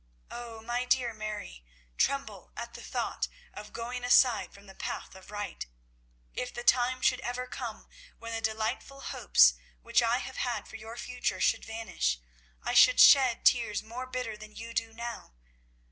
Oh, my dear Mary, tremble at the thought of going aside from the path of right. If the time should ever come when the delightful hopes which I have had for your future should vanish, I should shed tears more bitter than you do now.